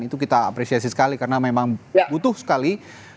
itu kita apresiasi sekali karena memang butuh sekali